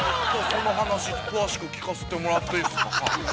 ◆その話、詳しく聞かせてもらっていいですか。